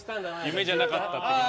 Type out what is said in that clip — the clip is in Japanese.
夢じゃなかった的な。